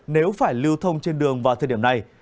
nếu phải lưu thông trên đường vào thời điểm này